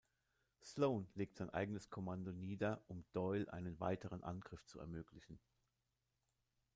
Sloan legt sein eigenes Kommando nieder, um Doyle einen weiteren Angriff zu ermöglichen.